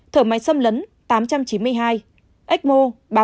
một một trăm bốn mươi sáu thở máy xâm lấn tám trăm chín mươi hai ecmo ba mươi một